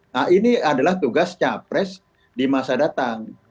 nah ini adalah tugas capres di masa datang